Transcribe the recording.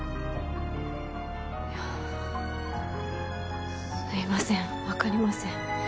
いやあすいません分かりません